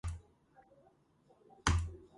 ამას რამდენიმე მიზეზი ჰქონდა.